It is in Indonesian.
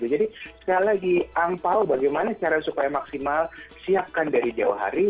jadi sekali lagi angpao bagaimana cara supaya maksimal siapkan dari jauh hari